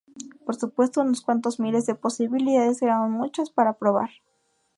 Por supuesto, unos cuantos miles de posibilidades eran aún muchas para probar.